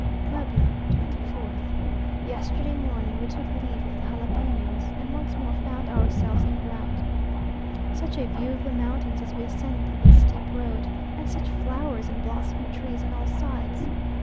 PUEBLA, 24th. Yesterday morning we took leave of the Jalapenos, and once more found ourselves en route. Such a view of the mountains as we ascended the steep road! and such flowers and blossoming trees on all sides!